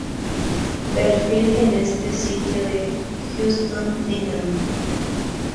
Perfil en el sitio de Houston Dynamo